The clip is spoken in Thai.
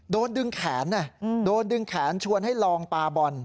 โดนดึงแขนโดนดึงแขนชวนให้ลองปลาบอล